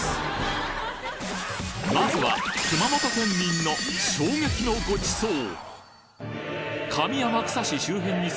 まずは熊本県民の衝撃のごちそう